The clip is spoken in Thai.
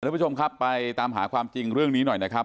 ทุกผู้ชมครับไปตามหาความจริงเรื่องนี้หน่อยนะครับ